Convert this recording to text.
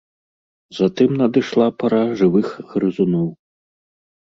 Затым надышла пара жывых грызуноў.